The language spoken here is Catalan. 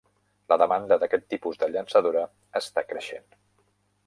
La demanda d'aquest tipus de llançadora està creixent.